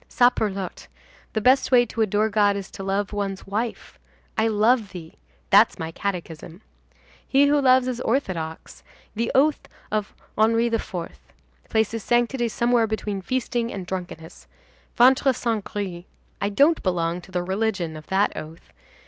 Saperlotte! the best way to adore God is to love one's wife. I love thee! that's my catechism. He who loves is orthodox. The oath of Henri IV. places sanctity somewhere between feasting and drunkenness. Ventre saint gris! I don't belong to the religion of that oath.